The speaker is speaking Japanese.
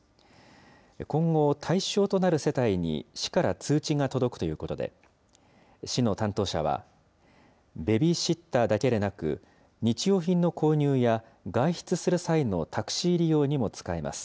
今後、対象となる世帯に市から通知が届くということで、市の担当者は、ベビーシッターだけでなく、日用品の購入や外出する際のタクシー利用にも使えます。